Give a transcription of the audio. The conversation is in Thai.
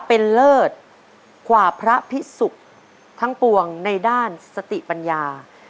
ให้ร่วมเสมอหัวพระพิสุขทั้งปลวงในด้านสติปัญญา